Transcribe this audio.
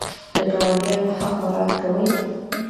د ګاونډیانو حق مراعات کوئ؟